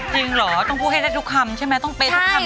จริงเหรอต้องพูดให้ได้ทุกคำใช่ไหมต้องเป๊ะทุกคำ